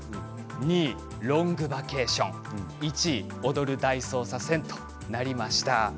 ２位「ロングバケーション」１位「踊る大捜査線」となりました。